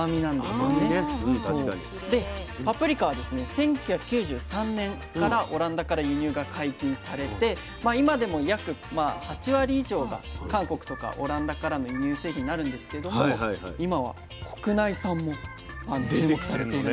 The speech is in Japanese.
１９９３年からオランダから輸入が解禁されて今でも約８割以上が韓国とかオランダからの輸入製品になるんですけども今は国内産も注目されているんです。